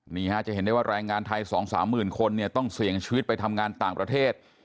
นี่ฮะจะเห็นได้ว่าแรงงานไทย๒๓หมื่นคนเนี่ยต้องเสี่ยงชีวิตไปทำงานต่างประเทศ